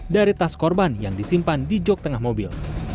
dari tas korban yang disimpan di jok tengah mobil